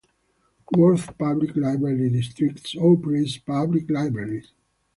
Worth Public Library District operates public libraries.